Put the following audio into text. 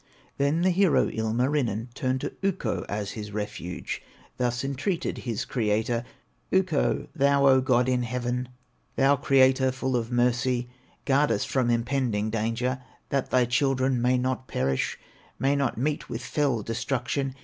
Then the hero, Ilmarinen, Turned to Ukko as his refuge, Thus entreated his Creator: "Ukko, thou O God in heaven, Thou Creator full of mercy, Guard us from impending danger, That thy children may not perish, May not meet with fell destruction.